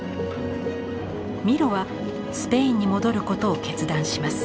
ミロはスペインに戻ることを決断します。